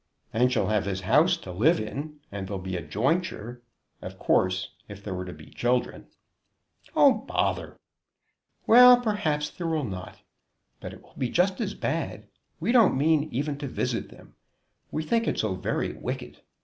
"And she'll have his house to live in. And there'll be a jointure. Of course, if there were to be children " "Oh, bother!" "Well, perhaps there will not. But it will be just as bad. We don't mean even to visit them; we think it so very wicked.